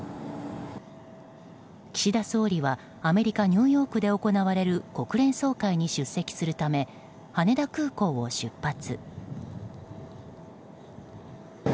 岸田総理はアメリカ・ニューヨークで行われる国連総会に出席するため羽田空港を出発。